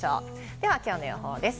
ではきょうの予報です。